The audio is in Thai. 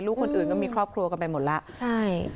ลูกคนอื่นก็มีครอบครัวกันไปหมดละ